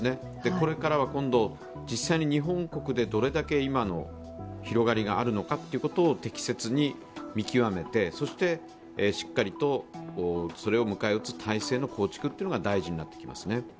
これからは今度、実際に日本国でどれだけ今の広がりがあるのかというのを適切に見極めて、そしてしっかりとそれを迎え撃つ体制の構築が大事になってきますね。